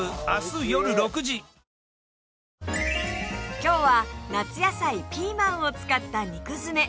今日は夏野菜ピーマンを使った肉づめ